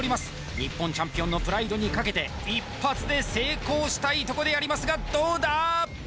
日本チャンピオンのプライドにかけて一発で成功したいとこでありますがどうだ？